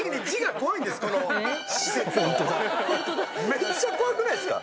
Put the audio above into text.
めっちゃ怖くないっすか？